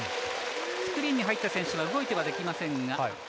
スクリーンに入ってる選手は動いてはいけませんが。